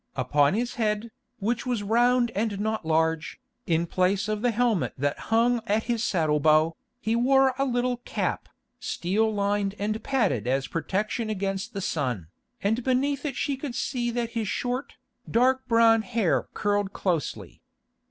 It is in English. Upon his head, which was round and not large, in place of the helmet that hung at his saddle bow, he wore a little cap, steel lined and padded as a protection against the sun, and beneath it she could see that his short, dark brown hair curled closely.